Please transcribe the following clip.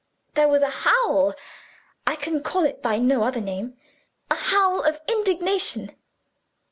There was a howl I can call it by no other name a howl of indignation.